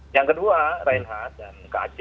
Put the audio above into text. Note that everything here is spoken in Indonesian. yang kedua rainha dan kj